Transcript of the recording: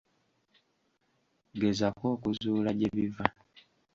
Gezaako okuzuula gye biva.